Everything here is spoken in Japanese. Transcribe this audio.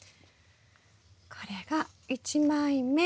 これが１枚目。